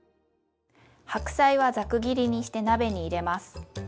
白菜はざく切りにして鍋に入れます。